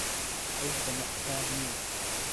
ئەو تەماحکار نییە.